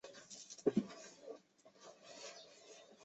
铃鹿赛道是铃鹿市的著名标志之一。